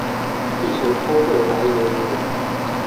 譯成通順而達意的英文